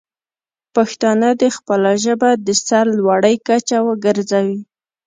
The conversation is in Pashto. پښتانه دې خپله ژبه د سر لوړۍ کچه وګرځوي.